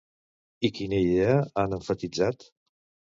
I quina idea han emfatitzat?